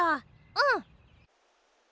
うん。